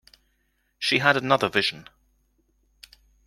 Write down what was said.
She had another vision.